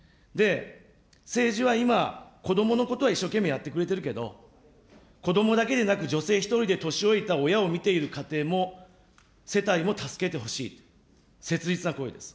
政治は今、子どものことは一生懸命やってくれてるけど、子どもだけでなく女性１人で年老いた親を見ている家庭も、世帯も助けてほしいと、切実な声です。